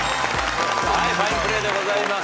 ファインプレーでございます。